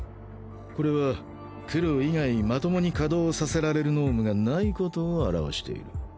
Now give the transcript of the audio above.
これは黒以外まともに稼働させられる脳無がないことを表している。